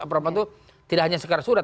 apapun itu tidak hanya sekarang sudah